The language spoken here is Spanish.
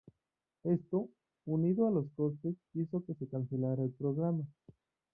Esto, unido a los costes, hizo que se cancelara el programa.